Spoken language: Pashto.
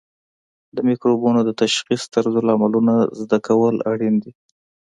د مکروبونو د تشخیص طرزالعملونه زده کول اړین دي.